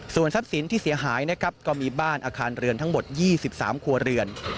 ส่วนทรัพย์สินที่เสียหายนะครับก็มีบ้านอาคารเรือนทั้งหมด๒๓ครัวเรือน